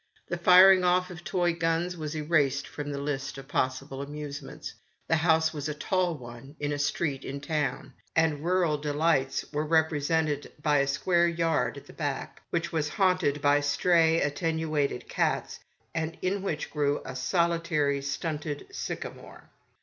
The firing off of toy guns was erased from the list of possible amusements. The house was a tall one, in a street in town, and rural delights were represented by a square yard at the back, which was haunted by stray, attenuated cats, and in which grew a solitary, stunted sycamore.